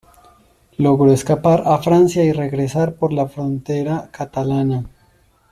Logró escapar a Francia y regresar por la frontera catalana.